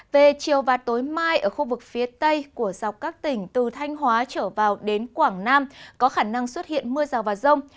về chiều và tối mai ở khu vực phía tây của dọc các tỉnh từ thanh hóa trở vào đến quảng nam có khả năng xuất hiện mưa rào và rông